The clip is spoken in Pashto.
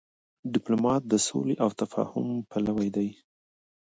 ډيپلومات د سولي او تفاهم پلوی دی.